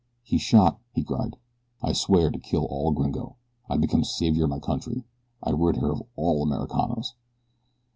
"He shot," he cried. "I swear to kill all gringo. I become savior of my country. I rid her of all Americanos."